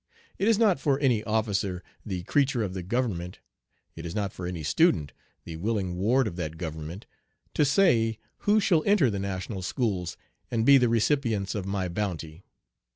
It is not for any officer, the creature of the government it is not for any student, the willing ward of that government to say who shall enter the national schools and be the recipients of my bounty.